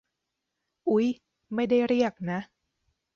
อุ๊ย ไม่ได้เรียกนะ